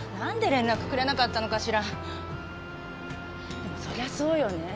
でもそりゃあそうよね。